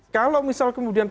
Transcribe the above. kalau misalnya kemudian